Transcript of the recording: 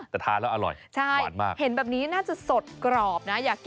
เธอทานแล้วอร่อยหวานมาก